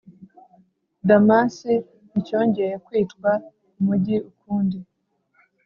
Damasi nticyongeye kwitwa umugi ukundi,